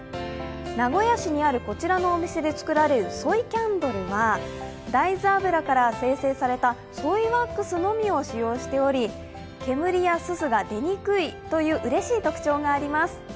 名古屋市にあるこちらのお店で作られるソイキャンドルは大豆油から精製されたソイワックスのみを使用しており煙やすすが出にくいといううれしい特徴があります。